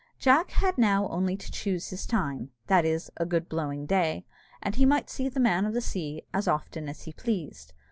Jack had now only to choose his time (that is, a good blowing day), and he might see the man of the sea as often as he pleased.